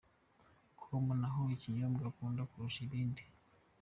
com: Naho ikinyobwa ukunda kurusha ibindi?.